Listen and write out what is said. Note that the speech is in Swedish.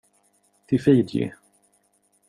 Till Fiji.